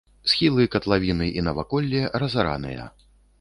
Схілы катлавіны і наваколле разараныя.